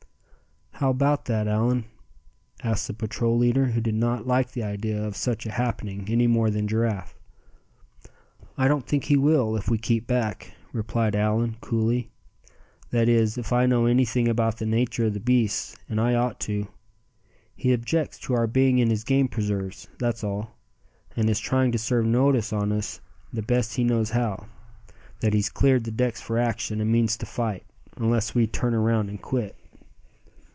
"How about that, Allan?" asked the patrol leader, who did not like the idea of such a happening any more than Giraffe. "I don't think he will, if we keep back," replied Allan, coolly; "that is, if I know anything about the nature of the beasts; and I ought to. He objects to our being in his game preserves, that's all, and is trying to serve notice on us the best he knows how, that he's cleared the decks for action, and means to fight, unless we turn around and quit."